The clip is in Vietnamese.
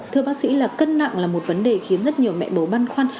thưa bác sĩ cân nặng là một vấn đề khiến rất nhiều mẹ bầu băn khoăn